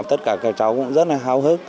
tất cả các cháu cũng rất là hào hức